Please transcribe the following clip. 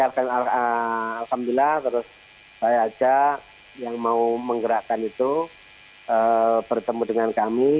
alhamdulillah terus saya aja yang mau menggerakkan itu bertemu dengan kami